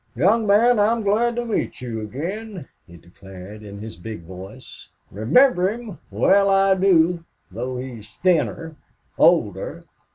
"Young man, I'm glad to meet you again," he declared, in his big voice. "Remember him! Well, I do though he's thinner, older."